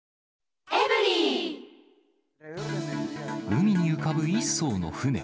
海に浮かぶ一そうの船。